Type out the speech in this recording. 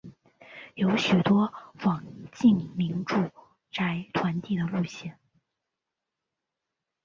有许多网近邻住宅团地的路线。